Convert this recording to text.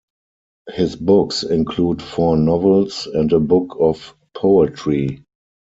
His books include four novels and a book of poetry.